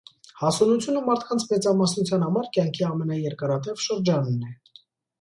Հասունությունը մարդկանց մեծամասնության համար կյանքի ամենաերկարատև շրջանն է։